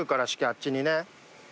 あっちにね。